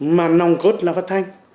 mà nồng cốt là phát thanh